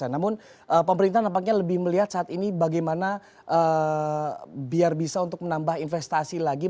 namun pemerintah nampaknya lebih melihat saat ini bagaimana biar bisa untuk menambah investasi lagi